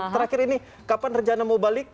terakhir ini kapan rencana mau balik